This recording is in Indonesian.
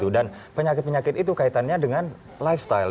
dan penyakit penyakit itu kaitannya dengan lifestyle